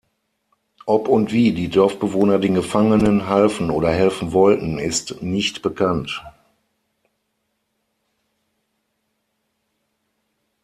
Ob und wie die Dorfbewohner den Gefangenen halfen oder helfen wollten, ist nicht bekannt.